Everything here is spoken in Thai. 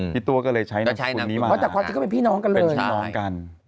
พี่ตั่วก็เลยใช้นามสกุลนี้มา